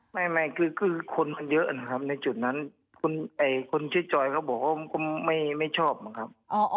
ไม่คือคนเยอะนะครับในจุดนั้นคนชื่อจอยเขาบอกว่าไม่ชอบนะครับ